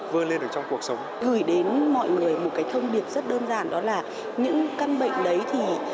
và không xa lánh